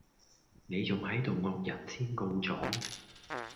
你仲係度惡人先告狀